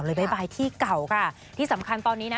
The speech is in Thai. บ๊ายที่เก่าค่ะที่สำคัญตอนนี้นะ